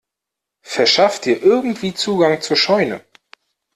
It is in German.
Verschaff dir irgendwie Zugang zur Scheune!